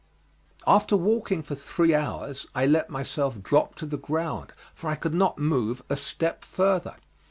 After walking for three hours I let myself drop to the ground, for I could not move a step further.